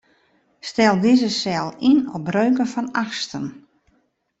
Stel dizze sel yn op breuken fan achtsten.